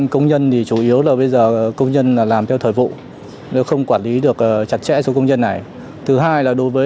công an huyện bình xuyên đã tiếp nhận gần hai con chip